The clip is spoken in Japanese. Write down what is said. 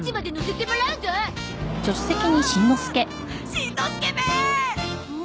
しんのすけめーっ！